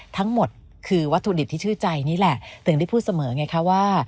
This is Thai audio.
ทั้งหมดคือวัตถุดิบที่ชื่อใจนี่แหละถึงได้พูดเสมอไงคะว่า